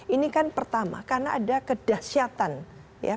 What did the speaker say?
ini kan pertama karena ada kedahsyatan ya